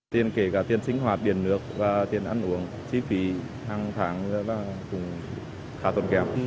tiền kể cả tiền sinh hoạt điện nước và tiền ăn uống chi phí hàng tháng cũng khá tốn kém